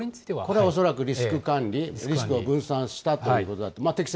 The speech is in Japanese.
これは恐らくリスク管理、リスクを分散したということだと。